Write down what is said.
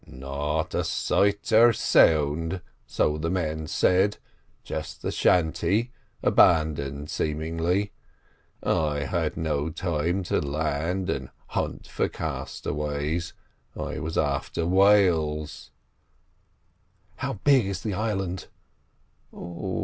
"Not a sight or sound, so the men said; just the shanty abandoned seemingly. I had no time to land and hunt for castaways, I was after whales." "How big is the island?"